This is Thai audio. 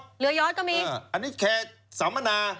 เหลือยอดก็มีอันนี้แคร์สัมมนา